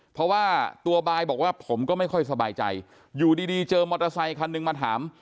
เพราะว่าตัวบายบอกว่าผมก็ไม่ค่อยสบายใจอยู่ดีเจอมอเตอร์ไซคันหนึ่งมาถาม